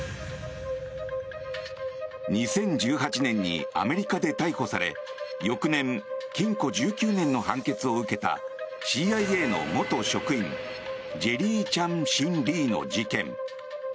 ２０１８年にアメリカで逮捕され翌年、禁錮１９年の判決を受けたＣＩＡの元職員ジェリー・チャン・シン・リーの事件。